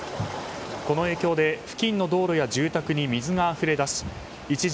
この影響で、付近の道路や住宅に水があふれ出し一時